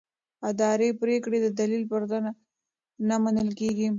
اداري پریکړې د دلیل پرته نه منل کېږي.